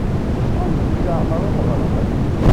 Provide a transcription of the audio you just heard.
Acḥal deg leɛmer umeɣrad?